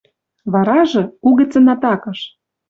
Варажы — угӹцӹн атакыш!